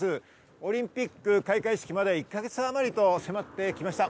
オリンピック開会式まで１か月あまりと迫ってきました。